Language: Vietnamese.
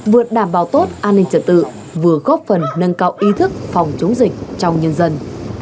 vừa đảm bảo tốt an ninh trật tự vừa góp phần nâng cao ý thức phòng chống dịch trong nhân dân